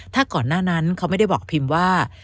ถ้าก่อนหน้านั้นเขาไม่ได้บอกพิมว่า